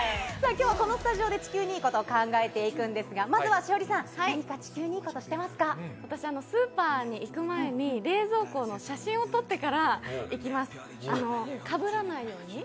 きょうはこのスタジオで地球にいいことを考えていくんですが、まずは栞里さん、私、スーパーに行く前に、冷蔵庫の写真を撮ってから行きます。